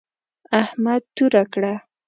احمد توره کړه.